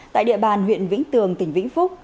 tại địa bàn huyện vĩnh tường tỉnh vĩnh phúc